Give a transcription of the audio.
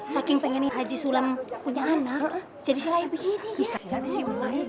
saking pengennya haji sulam punya anak jadi saya begini